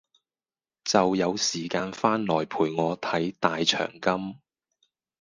就有時間翻來陪我睇大長今